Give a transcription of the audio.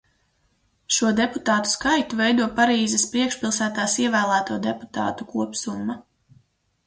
Šo deputātu skaitu veido Parīzes priekšpilsētās ievēlēto deputātu kopsumma.